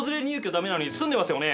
駄目なのに住んでますよね？